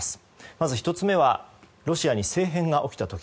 まず、１つ目はロシアに政変が起きた時。